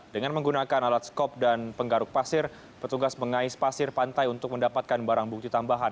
dengan menggunakan alat skop dan penggaruk pasir petugas mengais pasir pantai untuk mendapatkan barang bukti tambahan